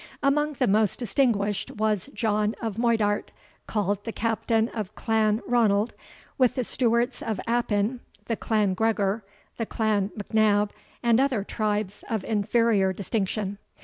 Among the most distinguished was John of Moidart, called the Captain of Clan Ranald, with the Stewarts of Appin, the Clan Gregor, the Clan M'Nab, and other tribes of inferior distinction.